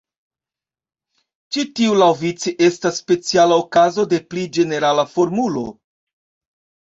Ĉi tiu laŭvice estas speciala okazo de pli ĝenerala formulo.